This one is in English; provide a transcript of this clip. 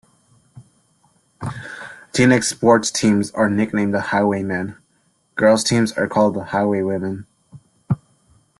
Teaneck's sports teams are nicknamed the Highwaymen; girls' teams are called the Highwaywomen.